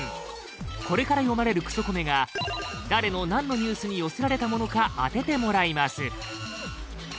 これから読まれるクソコメが誰の何のニュースに寄せられたものか当ててもらいます